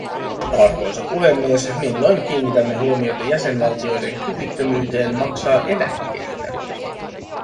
Arvoisa puhemies, milloin kiinnitämme huomiota jäsenvaltioiden kyvyttömyyteen maksaa eläkkeitä?